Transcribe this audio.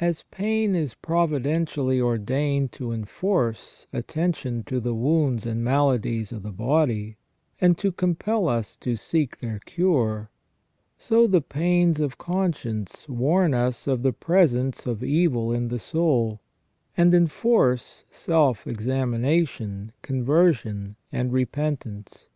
As pain is providentially ordained to enforce attention to the wounds and maladies of the body, and to compel us to seek their cure ; so the pains of conscience warn us of the presence of evil in the soul, and enforce self examination, conversion, and repentance.